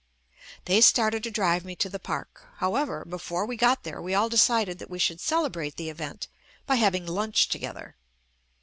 They started to drive me to the park. How ever, before we got there we all decided that JUST ME we should celebrate the event by having lunch together.